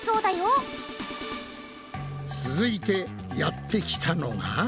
続いてやってきたのが。